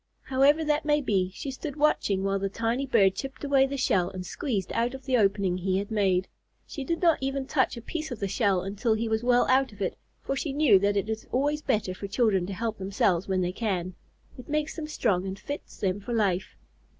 However that may be, she stood watching while the tiny bird chipped away the shell and squeezed out of the opening he had made. She did not even touch a piece of the shell until he was well out of it, for she knew that it is always better for children to help themselves when they can. It makes them strong and fits them for life.